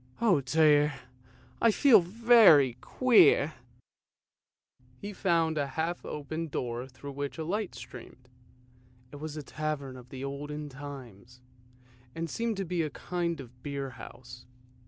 O dear, I feel very queer! " He found a half open door through which the light streamed. It was a tavern of the olden times, and seemed to be a kind of beer house.